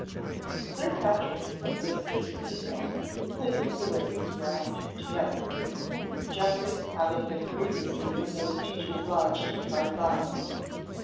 Sir Patrick and Mr. Speedwell quitted the race ground together; Geoffrey having been previously removed to his lodgings hard by.